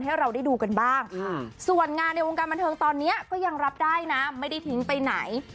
ให้เราได้ดูกันบ้างส่วนงานในวงการบันเทิงตอนนี้ก็ยังรับได้นะไม่ได้ทิ้งไปไหน